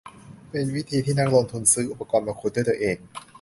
เป็นวิธีที่นักลงทุนซื้ออุปกรณ์มาขุดด้วยตัวเอง